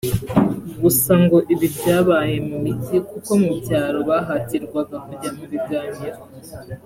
Gusa ngo ibi byabaye mu mijyi kuko mu byaro bahatirwaga kujya mu biganiro